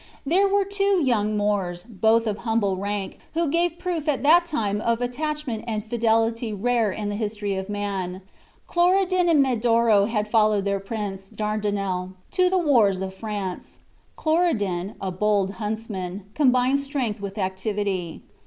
There were two young Moors, both of humble rank, who gave proof at that time of attachment and fidelity rare in the history of man. Cloridan and Medoro had followed their prince, Dardinel, to the wars of France. Cloridan, a bold huntsman, combined strength with activity.